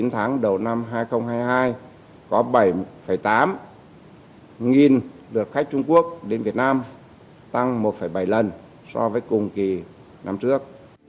chín tháng đầu năm hai nghìn hai mươi hai có bảy tám nghìn lượt khách trung quốc đến việt nam tăng một bảy lần so với cùng kỳ năm trước